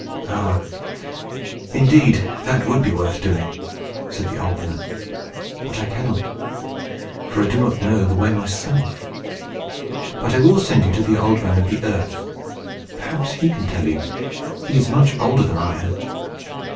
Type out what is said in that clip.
"Ah! indeed, that would be worth doing," said the old man. "But I cannot, for I do not know the way myself. But I will send you to the Old Man of the Earth. Perhaps he can tell you. He is much older than I am."